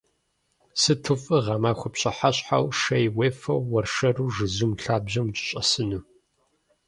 Сыту фӏы гъэмахуэ пщыхьэщхьэу шей уефэу, ууэршэру жызум лъабжьэм укӏэщӏэсыну.